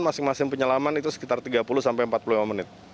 masing masing penyelaman itu sekitar tiga puluh sampai empat puluh lima menit